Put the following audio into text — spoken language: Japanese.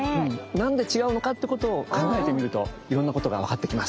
何で違うのかってことを考えてみるといろんなことが分かってきます。